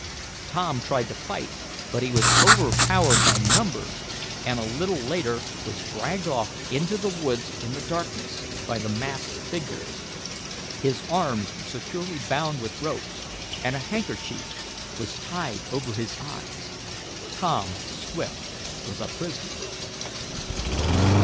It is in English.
Tom tried to fight, but he was overpowered by numbers and, a little later, was dragged off into the woods in the darkness by the masked figures. His arms were securely bound with ropes, and a handkerchief was tied over his eyes. Tom Swift was a prisoner.